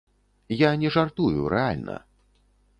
Я не жартую, рэальна.